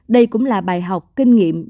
đây cũng là bài học kinh nghiệm